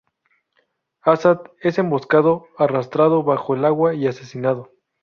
Asad es emboscado, arrastrado bajo el agua y asesinado.